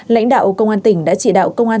lãnh đạo công an tỉnh đã chỉ đạo công an